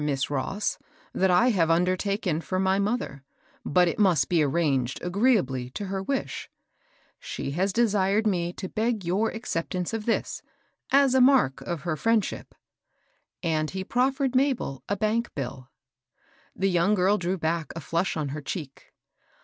Miss Ross, that I have undertaken for my mother, but it must be arranged agreeably to her wish. She has desired me to he^ (8X8) WILL YOU WALK INTO MY PAULOK ? 819 your acceptance of this, as a mark of her friend ship." And he proffered Mabel a bank bill. The young girl drew back, a flush on her cheek.